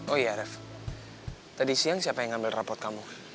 oh ya ref tadi siang siapa yang ngambil rapot kamu